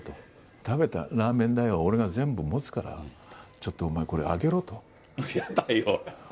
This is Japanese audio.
食べたラーメン代は俺が全部もつから、ちょっとお前、これ、あげ屋台を？